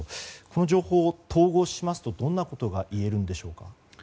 この情報、統合しますとどんなことが言えるんでしょうか。